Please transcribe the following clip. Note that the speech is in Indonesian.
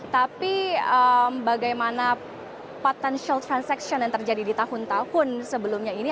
tapi bagaimana potential transaction yang terjadi di tahun tahun sebelumnya ini